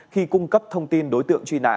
khi cung cấp thông tin đối tượng truy nã